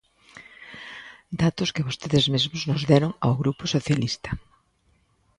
Datos que vostedes mesmos nos deron ao Grupo Socialista.